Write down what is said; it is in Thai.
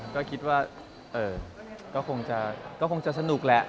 ก็คิดว่าก็คงจะสนุกแหละ